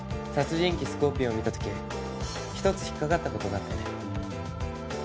殺人鬼スコーピオンを見た時１つ引っ掛かったことがあってね。